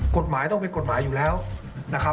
กฎหมายต้องเป็นกฎหมายอยู่แล้วนะครับ